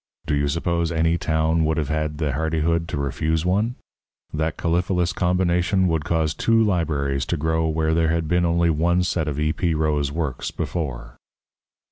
Do you suppose any town would have had the hardihood to refuse one? That caliphalous combination would cause two libraries to grow where there had been only one set of E. P. Roe's works before.